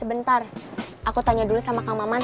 sebentar aku tanya dulu sama kang maman